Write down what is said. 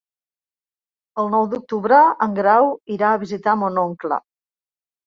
El nou d'octubre en Grau irà a visitar mon oncle.